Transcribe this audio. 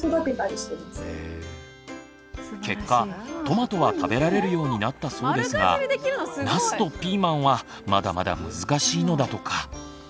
結果トマトは食べられるようになったそうですがなすとピーマンはまだまだ難しいのだとか。